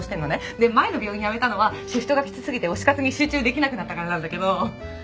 で前の病院を辞めたのはシフトがきつすぎて推し活に集中できなくなったからなんだけど。